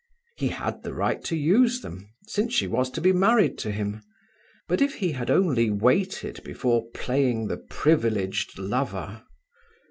He had the right to use them, since she was to be married to him. But if he had only waited before playing the privileged lover!